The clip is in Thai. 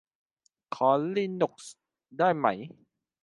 ขอลีนุกซ์ได้ไหม